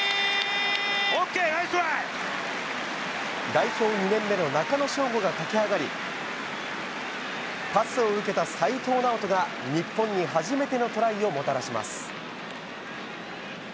代表２年目の中野将伍が駆け上がり、パスを受けた齋藤直人が日本に初めてのトライをもたらします。